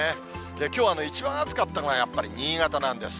きょうは一番暑かったのがやっぱり新潟なんです。